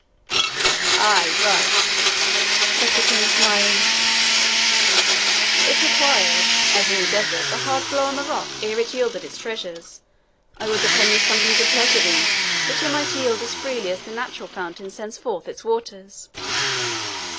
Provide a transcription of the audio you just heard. "Ay, but," said the King, smiling, "it required, as in the desert, a hard blow on the rock ere it yielded its treasures. I would that I knew something to pleasure thee, which I might yield as freely as the natural fountain sends forth its waters."